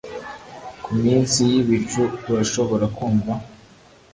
Ku minsi yibicu urashobora kumva